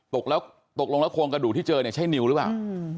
ตกลงแล้วโครงกระดูกที่เจอใช่นิวหรือเปล่า